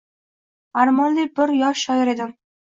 Armonli bir yosh shoir edim.